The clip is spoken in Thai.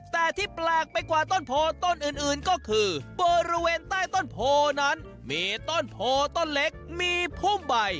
แต่ที่แปลกไปกว่าต้นโพต้นอื่นก็คือบริเวณใต้ต้นโพนั้นมีต้นโพต้นเล็กมีพุ่มใบ